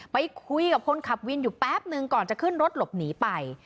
ไปคุยกับคนขับวินอยู่แป๊บนึงก่อนจะขึ้นรถหลบหนีไป